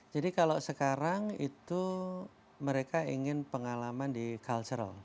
jadi kalau sekarang itu mereka ingin pengalaman di cultural